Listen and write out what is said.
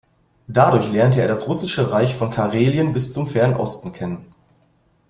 Dadurch lernte er das russische Reich von Karelien bis zum fernen Osten kennen.